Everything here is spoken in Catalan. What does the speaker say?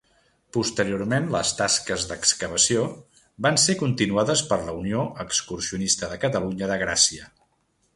Posteriorment les tasques d'excavació van ser continuades per la Unió Excursionista de Catalunya de Gràcia.